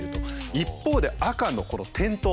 一方で赤の転倒。